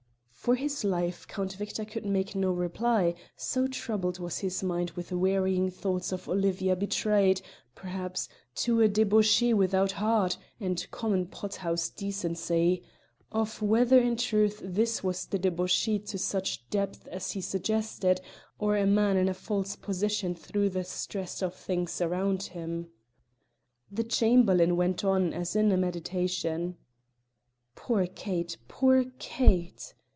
For his life Count Victor could make no reply, so troubled was his mind with warring thoughts of Olivia betrayed, perhaps, to a debauchee sans heart and common pot house decency; of whether in truth this was the debauchee to such depths as he suggested, or a man in a false position through the stress of things around him. The Chamberlain went on as in a meditation. "Poor Kate! poor Kate!